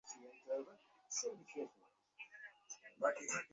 এক জীবনে সে বিনুকে বিয়ে করে, অন্য জীবনে বিনুকে বিয়ে করতে পারে না।